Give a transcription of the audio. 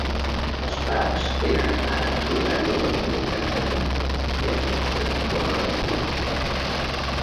Els parcs tenen ara l'horari d'obertura i tancament i es mostra l'hora del dia.